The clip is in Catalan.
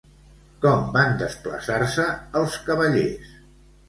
Com van desplaçar-se els cavallers?